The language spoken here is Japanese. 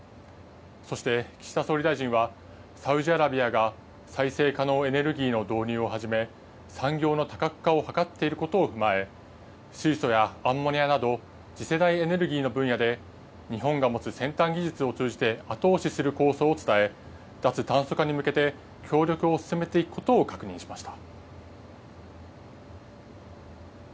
そして、岸田総理大臣はサウジアラビアが再生可能エネルギーの導入をはじめ、産業の多角化を図っていることを踏まえ、水素やアンモニアなど、次世代エネルギーの分野で日本が持つ先端技術を通じて後押しする構想を伝え、脱炭素化に向けて協力を進めていくことを確認しました。